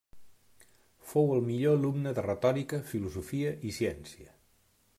Fou el millor alumne de retòrica, filosofia i ciència.